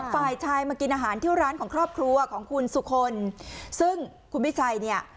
ฝ่ายชายมากินอาหารที่ร้านของครอบครัวของคุณสุคลซึ่งคุณวิชัยเนี่ย